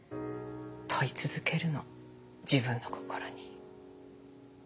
問い続けるの自分の心に。